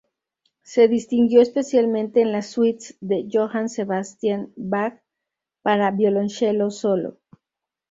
Se distinguió especialmente en las "suites" de Johann Sebastian Bach para violoncelo solo.